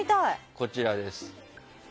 こちらです。